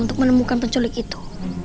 untuk menemukan penculik itu